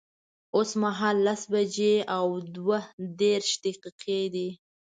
اوس مهال لس بجي او دوه دیرش دقیقی دی